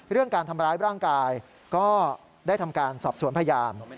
การทำร้ายร่างกายก็ได้ทำการสอบสวนพยาน